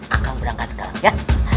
aku berangkat sekarang ya